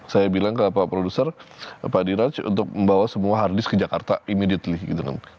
saya bilang ke pak diraj untuk membawa semua harddisk ke jakarta immediately gitu kan